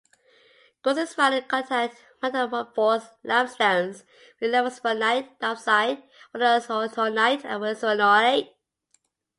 Grossular is found in contact metamorphosed limestones with vesuvianite, diopside, wollastonite and wernerite.